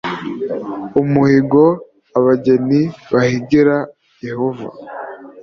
umuhigo abageni bahigira yehova